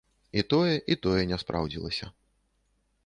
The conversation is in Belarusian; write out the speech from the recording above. І тое, і тое не спраўдзілася.